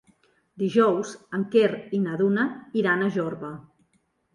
Dijous en Quer i na Duna iran a Jorba.